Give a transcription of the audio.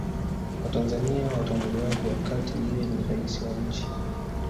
watanzania watamuelewaje wakati yeye ni raisi wa nchi